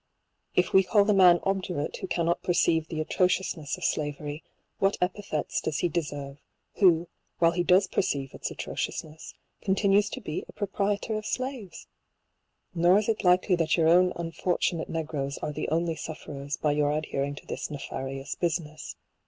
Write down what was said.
If we call the man obdurate who cannot perceive the atrociousness of slavery, what epithets does he de serve, who, while he does perceive its atrociousness, continues to be a proprietor of slaves ? Nor is it likely that your own unfortunate negroes are the only sufferers by your adhering to this nefarious business.